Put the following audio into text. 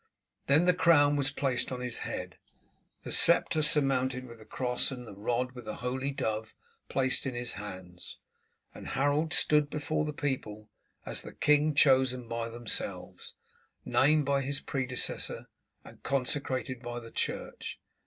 Then the crown was placed on his head, the sceptre surmounted with the cross and the rod with the holy dove placed in his hands, and Harold stood before the people as the king chosen by themselves, named by his predecessor, and consecrated by the church.